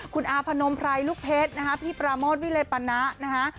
คุณอาพนมไพรลูกเพชรนะคะพี่ปราโมทวิเลปณะนะคะ